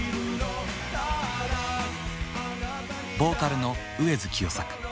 ボーカルの上江洌清作。